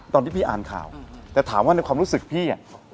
ตอนที่พี่อ่านข่าวแต่ถามว่าในความรู้สึกพี่